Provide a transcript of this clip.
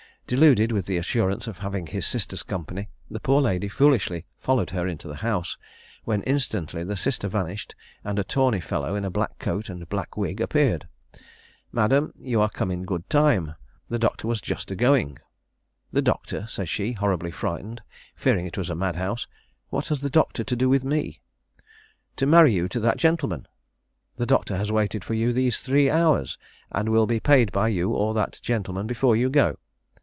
Deluded with the assurance of having his sister's company, the poor lady foolishly followed her into the house, when instantly the sister vanished, and a tawny fellow in a black coat and black wig appeared. 'Madam, you are come in good time; the Doctor was just a going.' 'The Doctor!' says she, horribly frighted, fearing it was a madhouse: 'what has the Doctor to do with me?' 'To marry you to that gentleman. The Doctor has waited for you these three hours, and will be payed by you or that gentleman before you go!'